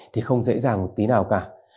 thì không dễ dàng một tí nào cả